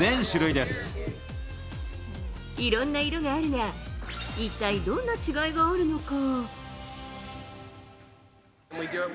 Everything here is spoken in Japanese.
いろんな色があるが、一体どんな違いがあるのか？